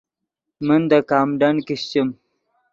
من دے کامڈن کیشچیم